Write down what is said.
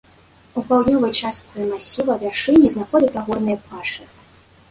У паўднёвай частцы масіва вяршыні знаходзяцца горныя пашы.